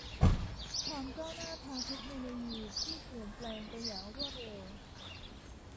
ความก้าวหน้าทางเทคโนโลยีที่เปลี่ยนแปลงไปอย่างรวดเร็ว